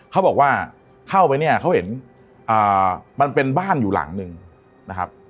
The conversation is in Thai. เขาบอกว่าเข้าไปเนี่ยเขาเห็นมันเป็นบ้านอยู่หลังหนึ่งนะครับ